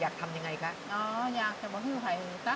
อยากจะให้สักไม่ทำร้ายป่า